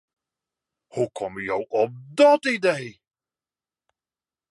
Hoe komme jo op dat idee?